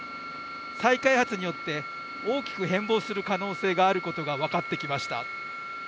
再開発によって大きく変貌する可能性があることが分かってきました。